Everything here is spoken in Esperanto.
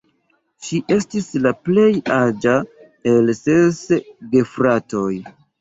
Ŝi estis la plej aĝa el ses gefratoj.